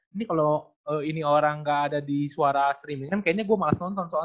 ini kalau ini orang gak ada di suara streaming kayaknya gue malas nonton soal